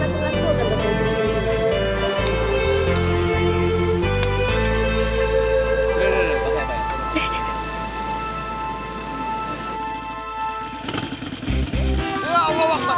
akhirnya aku nanti akan ke sini